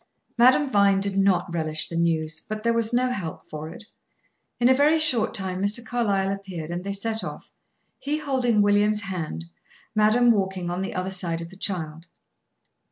Madame Vine did not relish the news. But there was no help for it. In a very short time Mr. Carlyle appeared, and they set off; he holding William's hand; madame walking on the other side of the child.